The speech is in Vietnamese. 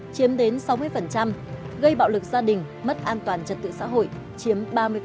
chiếm đến sáu mươi gây bạo lực gia đình mất an toàn trật tự xã hội chiếm ba mươi